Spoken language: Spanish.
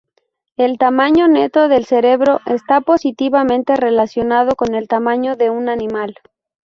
El tamaño neto del cerebro esta positivamente relacionado con el tamaño de un animal.